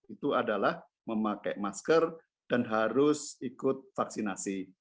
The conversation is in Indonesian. itu adalah memakai masker dan harus ikut vaksinasi